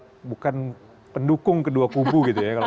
hahaha mungkin bukan kedua bukan pendukung kedua kubu gitu ya